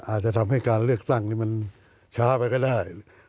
อาจจะทำให้การเลือกตั้งนี้มันช้าไปก็ได้